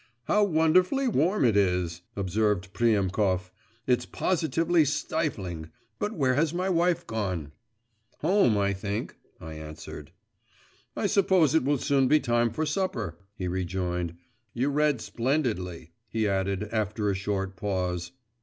'How wonderfully warm it is!' observed Priemkov; 'it's positively stifling. But where has my wife gone?' 'Home, I think,' I answered. 'I suppose it will soon be time for supper,' he rejoined. 'You read splendidly,' he added, after a short pause.